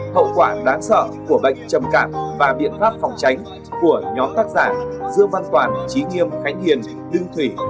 hậu quả đáng sợ của bệnh trầm cảm và biện pháp phòng tránh của nhóm tác giả dương văn toàn trí nghiêm khánh hiền lương thủy